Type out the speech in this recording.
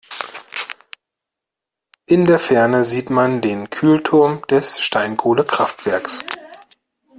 In der Ferne sieht man den Kühlturm des Steinkohlekraftwerks.